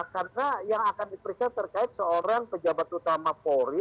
karena yang akan diperiksa terkait seorang pejabat utama polri